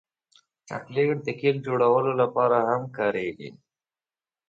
چاکلېټ د کیک جوړولو لپاره هم کارېږي.